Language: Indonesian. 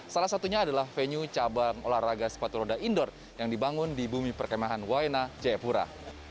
salah satunya adalah venue cabang olahraga sepatu roda indoor yang dibangun di bumi perkemahan waena jayapura